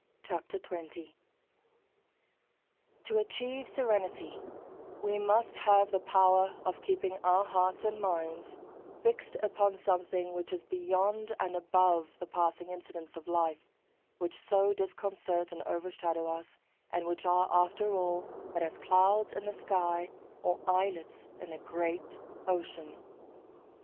XX SERENITY To achieve serenity we must have the power of keeping our hearts and minds fixed upon something which is beyond and above the passing incidents of life, which so disconcert and overshadow us, and which are after all but as clouds in the sky, or islets in a great ocean.